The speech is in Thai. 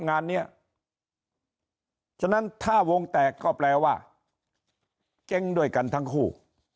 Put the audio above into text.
งานนี้ฉะนั้นถ้าวงแตกก็แปลว่าเจ๊งด้วยกันทั้งคู่